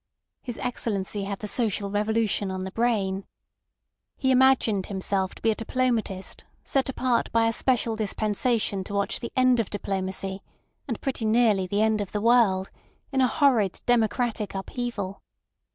His Excellency had the social revolution on the brain. He imagined himself to be a diplomatist set apart by a special dispensation to watch the end of diplomacy, and pretty nearly the end of the world, in a horrid democratic upheaval.